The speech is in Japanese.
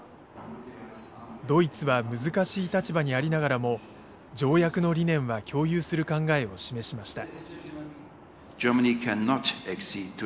ドイツは難しい立場にありながらも条約の理念は共有する考えを示しました。